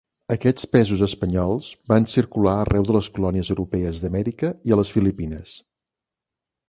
Aquests pesos espanyols van circular arreu de les colònies europees d'Amèrica i a les Filipines.